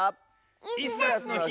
「イスダスのひ」